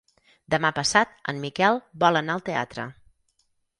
Demà passat en Miquel vol anar al teatre.